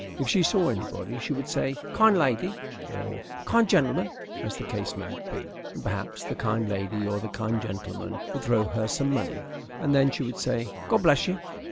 If she saw anybody she would say "Kind lady," or "Kind gentleman," as the case might be, and perhaps the kind lady or the kind gentleman would throw her some money, and then she would say "God bless you."